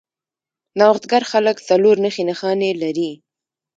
نوښتګر خلک څلور نښې نښانې لري.